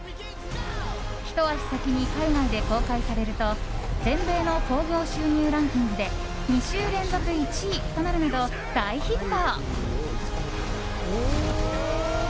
ひと足先に海外で公開されると全米の興行収入ランキングで２週連続１位となるなど大ヒット。